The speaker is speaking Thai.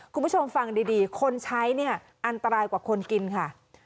คุณผู้ชมฟังดีคนใช้เนี่ยอันตรายกว่าคนกินค่ะ